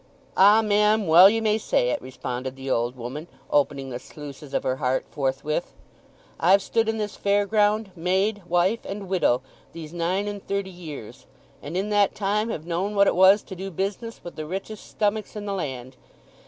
"Ah, ma'am—well ye may say it!" responded the old woman, opening the sluices of her heart forthwith. "I've stood in this fair ground, maid, wife, and widow, these nine and thirty years, and in that time have known what it was to do business with the richest stomachs in the land!